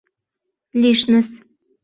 Лишныс...